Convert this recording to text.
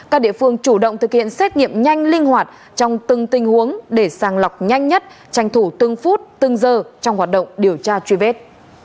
các địa phương chủ động thực hiện xét nghiệm nhanh linh hoạt trong từng tình huống để sàng lọc nhanh nhất tranh thủ từng phút từng giờ trong hoạt động điều tra truy vết